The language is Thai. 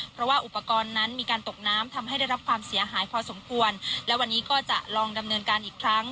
เพราะว่าอุปกรณ์นั้นมีการตกน้ำทำให้ได้รับความเสียหายพอสมควรและวันนี้ก็จะลองดำเนินการอีกครั้ง